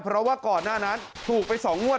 เพราะว่าก่อนหน้านั้นถูกไป๒งวด